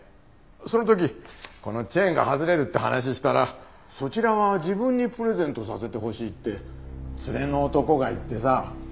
その時このチェーンが外れるって話したらそちらは自分にプレゼントさせてほしいって連れの男が言ってさ。